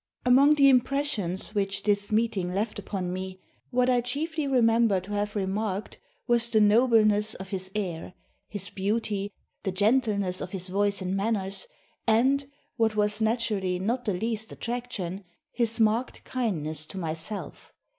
] "Among the impressions which this meeting left upon me, what I chiefly remember to have remarked was the nobleness of his air, his beauty, the gentleness of his voice and manners, and what was naturally not the least attraction his marked kindness to myself.